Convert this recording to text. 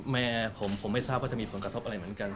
แม่ผมไม่ทราบว่าจะมีผลกระทบอะไรเหมือนกัน